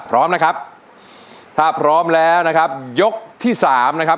พร้อมนะครับถ้าพร้อมแล้วนะครับยกที่สามนะครับ